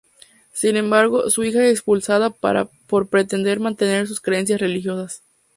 Sin embargo, su hija es expulsada por pretender mantener sus creencias religiosas.